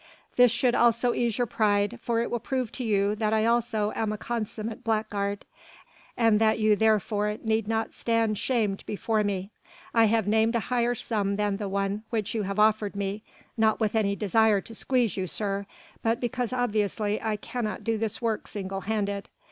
This should also ease your pride, for it will prove to you that I also am a consummate blackguard and that you therefore need not stand shamed before me. I have named a higher sum than the one which you have offered me, not with any desire to squeeze you, sir, but because obviously I cannot do this work single handed.